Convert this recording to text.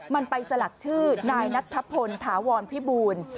มันไปสลักชื่อนายนัทพลถาวรพิบูล